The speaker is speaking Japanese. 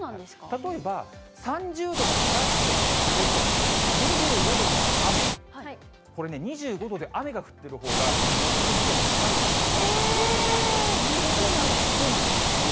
例えば、３０度のからっとした晴れと、２５度の雨、これね、２５度で雨が降ってるほうが熱中症の危険度高いんですよ。